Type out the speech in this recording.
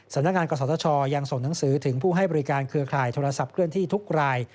สำนักงานกศชยังส่งหนังสือถึงผู้ให้บริการเครือข่ายโทรศัพท์เคลื่อนที่ทุกราย